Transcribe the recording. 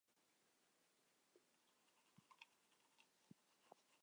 塞费塔尔是德国下萨克森州的一个市镇。